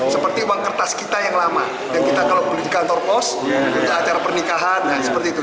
seperti uang kertas kita yang lama dan kita kalau beli di kantor pos itu acara pernikahan nah seperti itu